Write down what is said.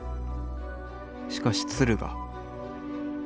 しかし鶴が」。